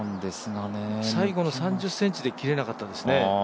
最後の３０ｃｍで切れなかったですね。